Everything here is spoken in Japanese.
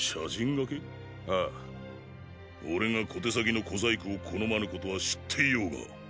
俺が小手先の小細工を好まぬことは知っていようが。